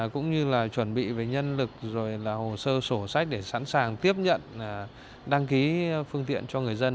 cũng như là chuẩn bị về nhân lực rồi là hồ sơ sổ sách để sẵn sàng tiếp nhận đăng ký phương tiện cho người dân